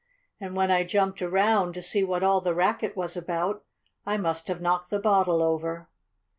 And when I jumped around, to see what all the racket was about, I must have knocked the bottle over."